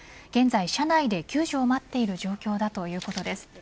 現在、車内で救助を待っている状況だということです。